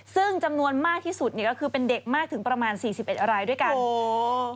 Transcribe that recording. ซึ่งจำนวนมากที่สุดก็คือเป็นเด็กมากถึงประมาณ๔๑รายด้วยกัน